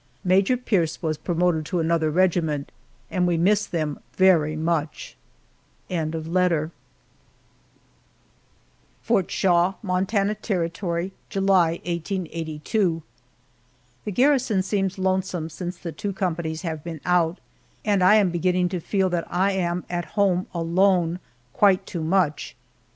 Major Pierce was promoted to another regiment and we miss them very much. FORT SHAW, MONTANA TERRITORY, July, 1882. THE garrison seems lonesome since the two companies have been out, and I am beginning to feel that I am at home alone quite too much.